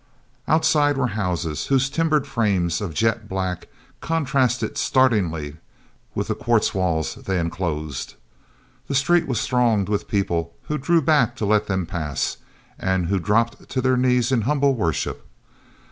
Outside were houses, whose timbered frames of jet black contrasted startlingly with the quartz walls they enclosed. The street was thronged with people who drew back to let them pass, and who dropped to their knees in humble worship.